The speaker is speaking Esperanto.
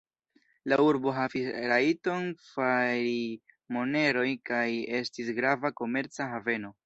La urbo havis la rajton fari monerojn kaj estis grava komerca haveno.